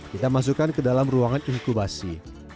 kita masukkan ke dalam ruangan inkubasi